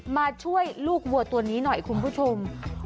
มาช่วยลูกวัวตัวนี้หน่อยคุณผู้ชม